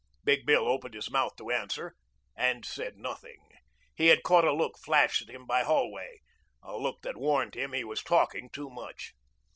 Big Bill opened his mouth to answer and said nothing. He had caught a look flashed at him by Holway, a look that warned him he was talking too much.